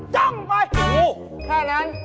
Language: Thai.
จ้องไปไอ้งูแค่นั้น